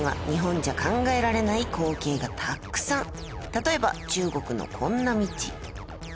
例えば中国のこんな道。